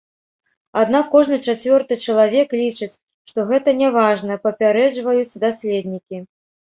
Аднак кожны чацвёрты чалавек лічыць, што гэта няважна, папярэджваюць даследнікі.